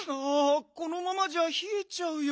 このままじゃひえちゃうよ。